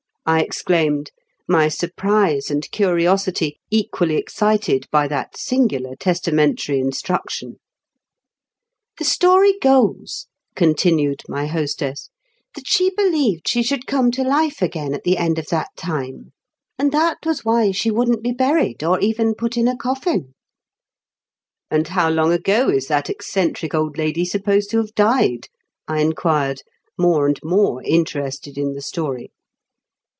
I exclaimed, my surprise and curiosity equally excited by that singular testamentary instruction. "The story goes," continued my hostess^ "that she believed she should come to life again at the end of that time ; and that was 236 IN KENT WITH CHABLE8 DICKENS. why she wouldn't be buried, or even put in a coffin." "And how long ago is that eccentric old lady supposed to have died?" I inquired, more and more interested in the story.